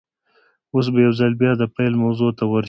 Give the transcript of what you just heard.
اوس به يوځل بيا د پيل موضوع ته ور شو.